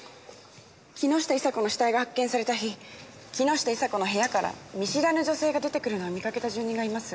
木下伊沙子の死体が発見された日木下伊沙子の部屋から見知らぬ女性が出てくるのを見かけた住人がいます。